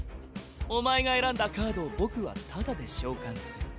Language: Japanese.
お前が選んだカードを僕はタダで召喚する。